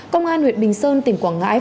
công an huyện bình sơn tỉnh quảng ngãi